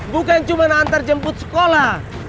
bukan cuma nantar jemput sekolah